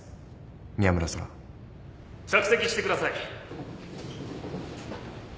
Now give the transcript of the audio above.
「宮村空」着席してください。